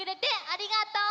ありがとう！